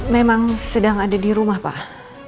memang sedang ada di rumah pak